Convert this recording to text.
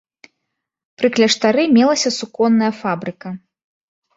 Пры кляштары мелася суконная фабрыка.